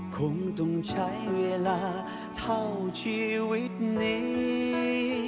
คงต้องใช้เวลาเท่าชีวิตนี้